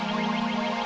jual jual jual